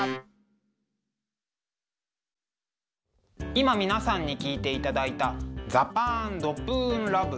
今皆さんに聴いていただいた「ザパーンドプーンＬＯＶＥ」。